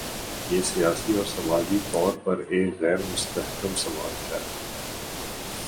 یہ سیاسی اور سماجی طور پر ایک غیر مستحکم سماج ہے۔